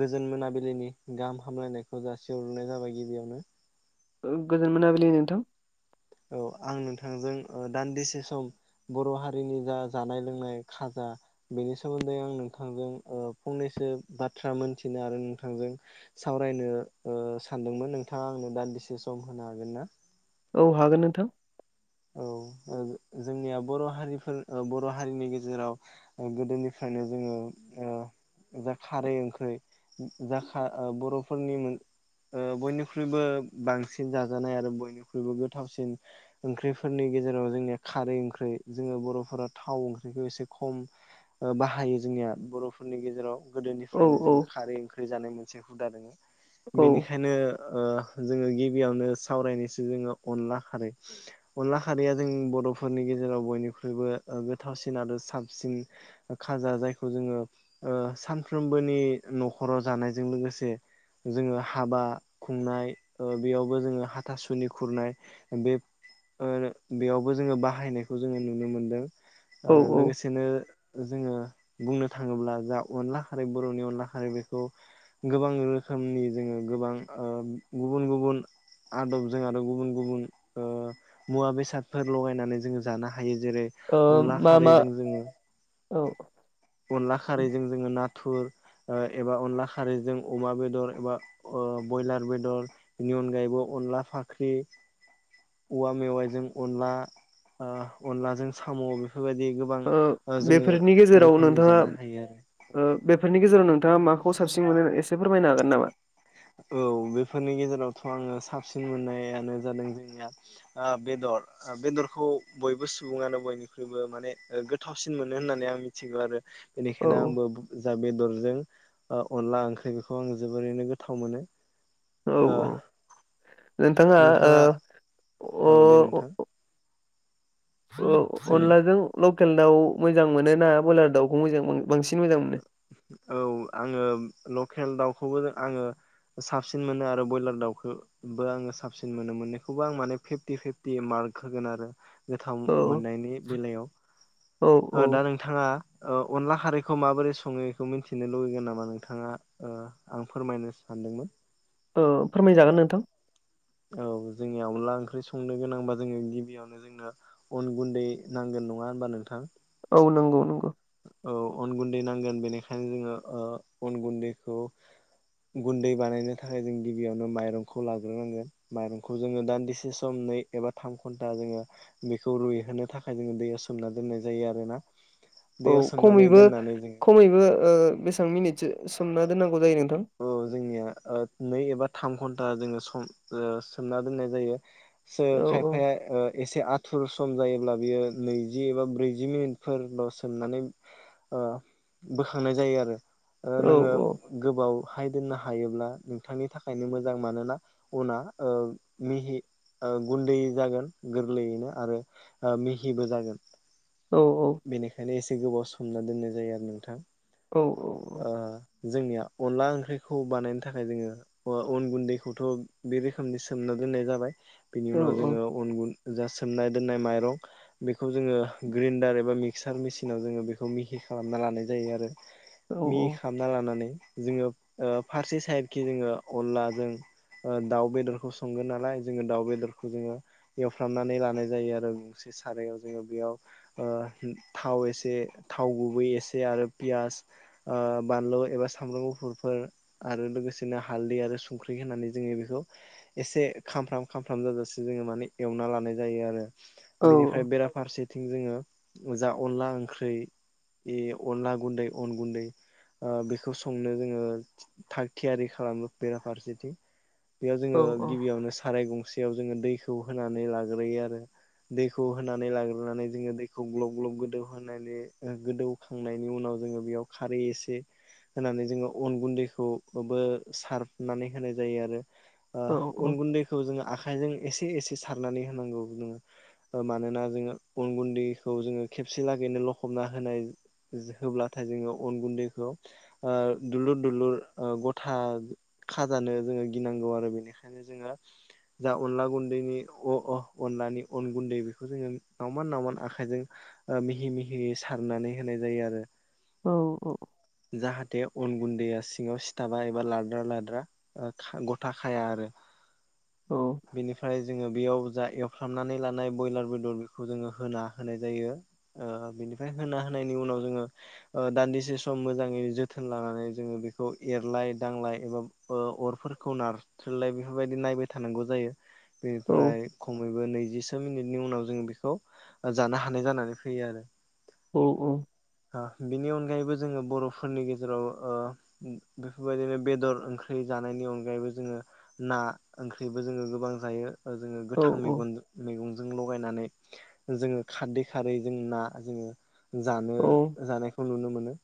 गोजोन मोनाबिलिनि गाहाम हामलायनायखौ जासिहरनाय जाबाय गिबियावनो ओ गोजोन मोनाबिलि नोंथां औ आं नोंथांजों ओ दान्दिसे सम बर' हारिनि जा जानाय लोंनाय खाजा बेनि सोमोन्दै आं नोंथांजों ओ फंनैसो बाथ्रा मोनथिनो आरो नोंथांजों सावरायनो ओ सानदोंमोन नोंथाङा आंनो दान्दिसे सम होनो हागोनना औ हागोन नोंथां औ [unintelligible] जोंनिया बर' हारिफोर ओ बर' हारिनि गेजेराव गोदोनिफ्राय नो जोङो ओ जा खारै ओंख्रै जा खा बर'फोरनि मोन ओ बयनिख्रुइबो बांसिन जाजानाय आरो बयनिख्रुइबो गोथावसिन ओंख्रिफोरनि गेजेराव जोंनिया खारै ओंख्रि जोङो बर'फोरा थाव ओंख्रिखौ एसे खम ओ बाहायो जोंनिया बर'फोरनि गेजेराव औ गोदोनिफ्रायनो औ जोङो खारै ओंख्रै जानाय मोनसे हुदा दोङो औ बेनिखायनो ओ जोङो गिबियावनो सावरायनोसो जोङो अनला खारै [inaudible] अनला खारैया जों बड'फोरनि गेजेराव बयनिख्रुइबो ओ गोथावसिन आरो साबसिन खाजा जायखौ जोङो ओ सानफ्रोमबोनि न'खराव जानायजों लोगोसे जोङो हाबा खुंनाय ओ बेयावबो जोङो हाथासुनि खुरनाय बे ओ बेयावबो जोङो बाहायनायखौ जोङो नुनो मोनदों ओ औ औ लोगोसेनो जोङो बुंनो थाङोब्ला जा अनला खारै बर'नि अनला खारै बेखौ गोबां रोखोम नि जोङो गोबां ओ गुबुन गुबुन आदबजों आरो गुबुन गुबुन ओ मुवा बेसादफोर लगायनानै जोङो जानो हायो जेरै ओ अनला मा मा खारैजों जोङो औ अनला खारैजों जोङो ना थुर ओ एबा अन्ला खारैजों अमा बेदर एबा ओ बयलखर बेदर अनगायैबो अनला फाख्रि औवा मेवाइजों अनला ओ अनलाजों साम' बे फोरबायदि गोबां ओ जोङो बेफोरनि गेजेराव रोखोमनि नोंथाङा जानो हायो आरो ओ बेफोरनि गेजेराव नोंथाङा माखौ साबसिन मोनो एसे फोरमायनो हागोन नामा औ बेफोरनि गेजेरावथ' आङो साबसिन मोननायानो जादों जोंनिया ओ बेदर दर बेदरखौ बयबो सुबुङानो बयनिख्रुइबो माने गोथावसिन मोनो होननानै आं मिथिगौ आरो औ बेनिखायनो आंबो जा बेदरजों ओ अनला ओंख्रि बेखौ आं जोबोरैनो गोथ गोथाव मोनो औ औ ओह नोंथाङा औ ओ‌ह दे नोंथां अ-अ अ सों अनलाजों लकेल दाउ मोजां मोनो ना ब्रयलार दाउखौ मोजां बांसिन मोजां मोनो औ आङो लकेल दाउखौबो आङो साबसिन मोनो आरो बयलार दाउखौबो आङो साबसिन मोनो मोननैखौबो आं माने फिफ्टि फिफ्टि मार्क होगोन आरो गोथाव औ मोननायनि बेलायाव औ औ दा नोंथाङा ओ अनला खारैखौ माबोरै सङो मिन्थिनो लुुगैगोन नामा नोंथाङा आं ओ फोरमायनो सानदोंमोन ओ फोरमायजागोन नोंथां औ जोंनि अनला ओंख्रि संनो गोनांबा जोङो गिबियावनो जोंनो अन गुन्दै नांगोन नङा होनबा नोंथां औ नंगौ नंगौ औ अन गुन्दै नांगोन बेनिखायनो जोङो ओ अन गुन्दैखौ गुन्दै बानायनो थाखाय जों गिबियावनो माइरंखौ लाग्रोनांगोन माइरंखौ जोङो दान्दिसे सम नै एबा थाम घन्टा जोङो बेखौ रुइहोनो थाखाय जोङो दैयाव सोमना दोननाय जायो आरोना औ दैयाव सोमनानै खमैबो दोननानै जोङो खमैबो ओ बेसां मिनिटसो सोमना दोननांगौ जायो नोंथां औ जोंनिया ओ‌‌ नै एबा थाम घन्टा जोङो सम ओ‌ सोमना दोननाय जायो सो औ खायफाया ओ एसे आथुर सम जायोब्ला बियो नैजि एबा ब्रैजि मिनिटफोरल सोमनानै ओ बोखांनाय जायो आरो ओ औ नोङो गोबाव हाय दोननो हायोब्ला नोंथांनि थाखायनो मोजां मानोना उना ओ मिहि ओ गुन्दै जागोन गोरलैयैनो आरो ओ मिहिबो जागोन औ बेनिखायनो एसे गोबाव सोमना दोननाय जायो आरो नोंथां औ औ औ ओ जोंनिया अनला ओंख्रिखौ बानायनो थाखाय जोङो अन अन गुन्दैखौथ बे रोखोमनि सोमना दोननाय जाबाय बिनि औ उनाव जोङो अन गुन जा सोमनाय दोननाय माइरं बेखौ जोङो ग्रिन्डार एबा एबा मिक्सार मिसिनाव जोङो बेखौ मिहि खालामना लानाय जायो आरो मिहि खामना लानानै जोङो ओ फारसे साइडखि जोङो अनला जों ओ‌ दाउ बेदरखौ संगोन नालाय जोङो दाउ बेदरखौ जोङो एवफ्रामनानै लानाय जायो आरो गंसे सारायाव जोङो बेयाव ओ थाव एसे थाव गुबै एसे आरो पियास ओ बानलु एबा सामब्राम गुफुर गुफुरफोर आरो लोगोसेनो हालदै आरो संख्रि होननानै जोङो बेखौ एसे खामफ्राम खाम फ्राम जाजासे जोङो माने एवना लानाय जायो आरो औ बेनिफ्राय बेराफारसेथिं जोङो जा अनला ओंख्रै बे अनला गुन्दै अन गुन्दै ओ बेखौ संनो जोङो थाग थियारि खालामो बेराफारसेथि बेयाव जोङो गिबियावनो साराय गंसेयाव जोङो दैखौ खौ होनानै लाग्रोयो आरो दैखौ होनानै लाग्रोनानै जोङो दै खौ ग्लब ग्लब गोदौहोनानै गोदौखांनायनि उनाव जोङो बेयाव खारै एसे होनानै जोङो अन गुन्दैखौबो सारनानै होनाय जायो आरो ओह अन गुन्दैखौ जोङो आखाइजों एसे एसे एसे सारनानै होनांगौ जोङो ओ‌ मानोना जोङो अन गुन्दै खौ जोङो खेबसे लागैनो लखबना होनाय होब्लाथाय जोङो अन गुन्दैखौ ओ दुलुर दुलुर गथा खाजानो जोङो गिनांगौ आरो बेनिखायनो जोङो जा अनला गुन्दैनि अ-अ-अनलानि अन गुन्दै बेखौ जोङो नावमान नावमान आखाइ आखाइजों मिहि मिहि सारनानै होनाय जायो आरो जाहाथे अन गुन दैया सिङाव सिथाबा एबा लाद्रा लाद्रा गथा खाया आरो औ ओमफ्राय जोङो बेयाव जा एवफ्रामनानै लानाय ब्रयलार बयलर बेखौ जोङो होना होनाय जायो ओ बिनिफ्राय होना होनायनि उनाव जोङो दान्दिसे सम मोजाङै जोथोन लानानै जोङो बेखौ एरलाय दांलाय एबा अरफोरखौ नारथ्रलाय बेफोरबायदि नाय जायो बेनिफ्राय खमैबो नैजिसो मिनिटनि उनाव जों बिखौ जानो हानाय जानानै फैयो आरो औ औ। बेनि अनगायैबो जोङो बर'फोरनि गेजेराव ओ बेफोरबायदिनो बेदर ओंख्रि, जानायनि अनगायैबो जोङो ना ओंख्रिबो जोङो गोबां जायो। जोङो गोथां मैग मैगंजों लगायनानै जोङो खारदै खारै जों ना जोङो औ जानो जानायखौ नुनो मोनो।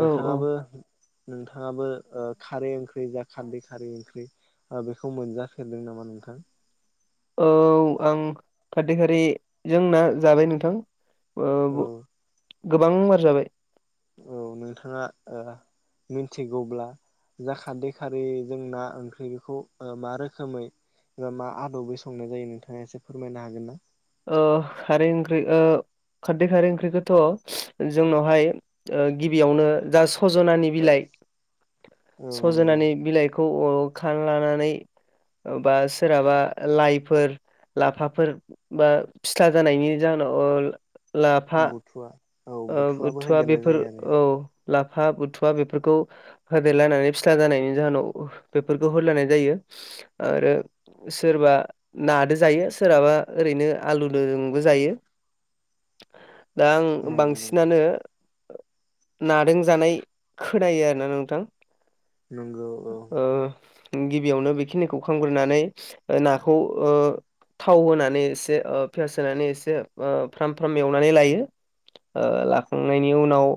औ औ नोंथाङाबो खारै ओंख्रि जा खारदै खारै ओंख्रि बेखौ मोनजाफेरदों नामा नोंथां? औ आं खारदै खारैजों ना जाबाय नोंथां‌। औ। गोबां बार जाबाय। औ नोंथाङा मिथिगौब्ला जाखारदै खारै जों ना ओंख्रिखौ मा रोखोमै एबा मा आदबै संनाय जायो नोंथाङा एसे फोरमायनो हागोन ना? आ खारै ओंख्रि ओ खारदै खारै ओंख्रिखौथ' जोंनावहाय गिबियावनो जा सजनानि बिलाइ औ नंगौ सजनानि बिलाइखौ अ खार लानानै बा सोरहाबा लाइफोर लाफाफोर बा फिथ्ला जानायनि जाहोनाव लाफा बुथुवा औ बुथुवाबो बथुवा होदेरनाय बेफोर जायो आरो औ। लाफा बुथुवा बेफोरखौ होदेरलायानानै फिथ्ला जानायनि जाहोनाव बेफोरखौ होलायनाय जायो। आरो सोरबा नादो जायो सोरहाबा ओरैनो आलुजोंबो जायो। दा आं नंगौ नंगौ बांसिनानो नादों जानाय खोनायो आर ना नोंथां। नंगौ औ ओ गिबियावनो बेखिनिखौ खामग्रोनानै नाखौ ओ थाव होनानै एसे पियास होनानै एसे फ्राम फ्राम एवनानै लायो ओ लाखांनायनि उनाव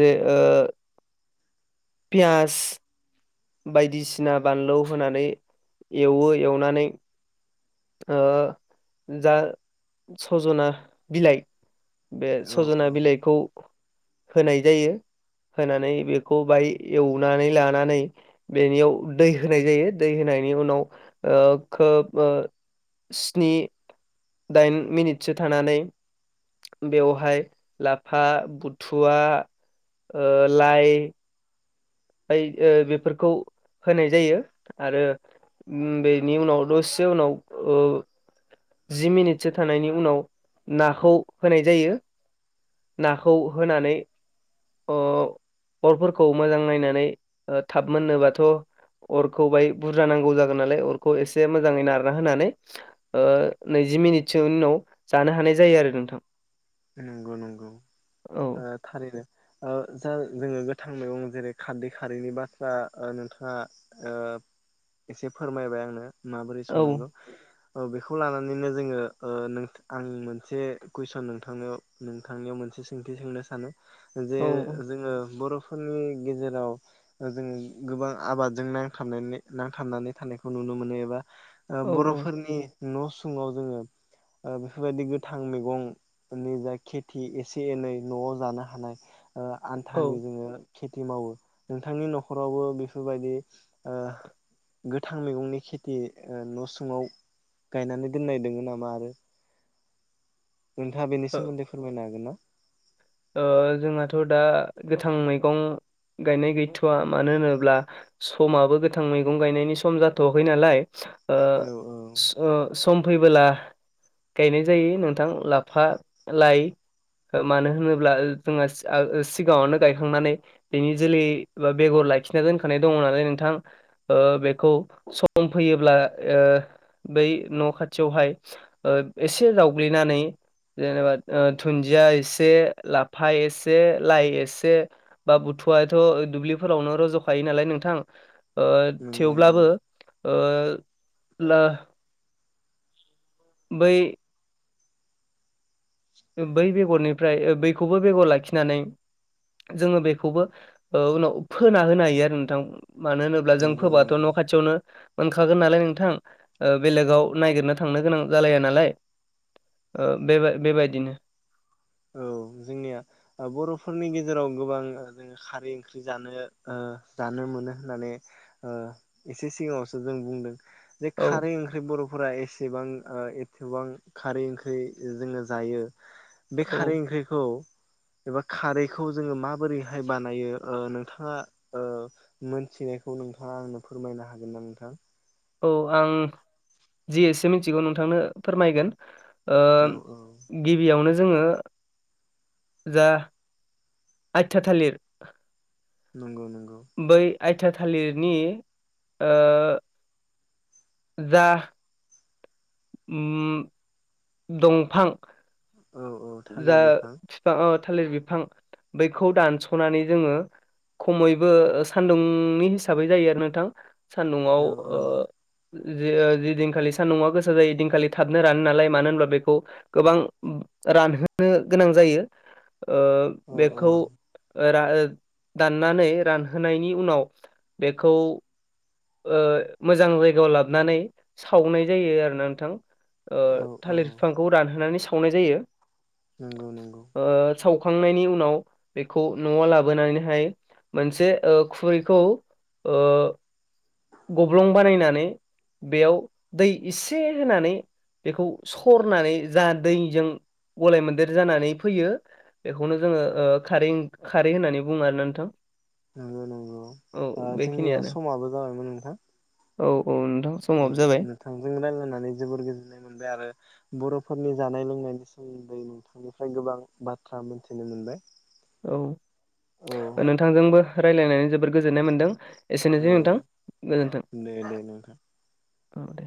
जे ओ पियास बायदिसिना बानलु होनानै एवो एवनानै ओ जा सजना बिलाइ बे औ औ सजना बिलाइखौ होनाय जायो होनानै बेखौ बाहाय एवनानै लानानै बेनियाव दै होनाय जायो दै होनायनि उनाव ओ खोब ओ स्नि दाइन मिनिटसो थानानै बेवहाय लाफा, बुथुवा ओ लाइ ओमफाय ओ बेफोरखौ होनाय जायो आरो बेनि उनाव दसे उनाव ओ जि मिनिटसो थानायनि उनाव नाखौ होनाय जायो। नाखौ होनानै अ अरफोरखौ मोजां नायनानै थाब मोननोबाथ' अरखौ बाय बुरजा नांगौ जागोन नालाय अरखौ एसे मोजाङै नारना होनानै ओ नै जि मिनिटसो उनाव जानो हानाय जायो आरो नोंथां। नंगौ नंगौ औ थारैनो जा जोङो गोथां मैगं जेरै खारदै खारैनि बाथ्रा नोंथाङा ओ एसे फोरमायबाय आंनो माबोरै औ संनांगौ बेखौ लानानैनो जोंङो ओ नों आं मोनसे कुइसन नों थांनियाव नोंथांनियाव मोनसे सोंथि सोंनो सानो जे औ औ जोङो बर' फोरनि गेजेराव जोङो गोबां आबादजों नांथ नांथाबनानै थानायखौ नुनो मो नुनो मोनो एबा औ बर'फोरनि न' सुङाव जोङो बेफोरबायदि गोथां मैगं नि जा खेथि एसे एनै न'आव जानो हानाय औ आन्थानि जोङो खेथि मावो नोंथांनि न'खरावबो बेफोरबायदि गोथां मैगंनि खेथि न' सङाव गायनानै दोननाय दोङो नामा आरो नोंथाङा बेनि ओ सोमोन्दै फोरमायनो हागोन ना? जोंहाथ' दा गोथां मैगं गायनाय गैथ'वा मानो होनोब्ला समाबो गोथां मैगं गायनायनि सम जाथ' वाखै नालाय। औ औ सम फैबोला गायनाय जायो नोंथां लाफा लाइ मानो होनोब्ला अब्ला जोंहा सिगाङावनो गायखांनानै बेनि जोलै बा बेगर लाखिना दोनखानाय दङ माने नोंथां ओ बेखौ सम फैयोब्ला बै न' खाथि बेवहाय एसे जावग्लिनानै जेनेबा दुन्दिया एसे लाफा एसे लाइ एसे बा बुथुआाथ' दुब्लिफोरावनो रज' खायो नालाय नोंथां नंगौ थेवब्लाबो नंगौ बै बै बेगरनिफ्राय बैखौबो बेगर लाखिनानै जोङो बेखौबो उनाव फोना होनो हायो आरो नोंथां मानो होनोब्ला जों नंगौ फोबाथ' नंगौ न' खाथियावनो मोनखागोन नालाय नोंथां बेलेगाव नायगिरनो थांनो गोनां जालाया नालाय बे बेबायदिनो। औ जोंनिया बर'फोरनि गेजेराव गोबां जोङो खारै ओंख्रि जानो जानो मोनो होननानै एसे सिगाङावसो जों बुंदों बे औ खारै ओंख्रि बरफ फोर एसेबां एसेबां खारै ओंख्रि जोङो जायो बे औ खारै ओंख्रिखौ एबा खारैखौ जोङो माबोरैहाय बानायो? नोंथाङा मोनसे फिनायखौ नोंथाङा आंनो फोरमायनो हागोन ना नोंथां? औ आं जि एसे मिथिगौ नोंथांनो फोरमायगोन औ औ गिबियावनो जोङो जा आटिया थालिर नंगौ नंगौ बै आयथा थालिरनि जा दंफां औ औ जा थालिर बिफां बिफां थालिर बिफां बैखौ दानस'नानै जोङो खमैबो सान्दुंनि हिसाबै जायो आरो नोंथां सान्दुंआव औ औ ओ ज जिदिनखालि सान्दुंआ गोसो जायो दिनखालि थाबनो रानो नालाय मानो होनब्ला बेखौ गोबां रानहोनो गोनां जायोओ औ बेखौ दाननानै रानहोनायनि उनाव बेखौ मोजां जायगायाव लाबोनानै सावनाय जायो आरो ना नोंथां। ओ औ औ थालिर बिफांखौ रानहोनानै सावनाय जायो। नंगौ नंगौ। ओ सावखांनायनि उनाव बेखौ न'आव लाबोनानैहाय मोनसे ओ खुरैखौ ओ गब्लं बानायनानै बेयाव दै इसे होनानै बेखौ सरनानै जा दैजों गलाय मोन्देर जानानै फैयो बेखौनो जोङो खारै खारै होननानै बुङो आरो नोंथां। नंगौ नंगौ। औ ओ जोंनिया बेखिनियानो समाबो जाबायमोन नोंथां औ औ नोंथां औ समाबो जाबाय नोंथांजों रायज्लायनानै जोबोर गोजोननाय मोनबाय आरो बर' फोरनि जानाय लोंनायनि सोमोन्दै नोंथांनिफ्राय गोबां बाथ्रा मोनथिनो मोनबाय। औ। औ नोंथांजोंबो रायलायनानै जोबोद गोजोननाय मोनदों। औ एसेनोसै नोंथां गोजोनथों। दे दे नोंथां ओ दे।